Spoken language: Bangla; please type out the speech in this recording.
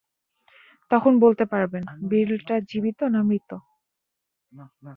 তখন বলতে পারবেন, বিড়ালটা জীবিত না মৃত?